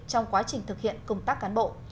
trong quá trình thực hiện công tác cán bộ